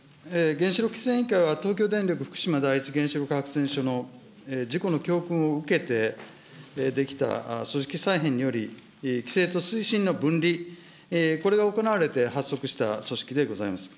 原子力規制委員会は東京電力福島第一原子力発電所の事故の教訓を受けて出来た組織再編により、規制と推進の分離、これが行われて発足した組織でございます。